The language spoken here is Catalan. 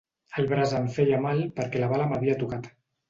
El braç em feia mal perquè la bala m'havia tocat